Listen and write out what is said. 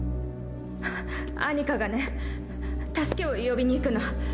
アニカがね助けを呼びに行くの。